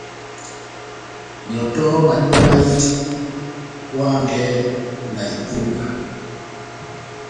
Nyɔtɔhɔ madíba máhiti, ohangɛ na ikúbwa.